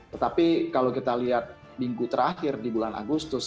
tetapi kalau kita lihat minggu terakhir di bulan agustus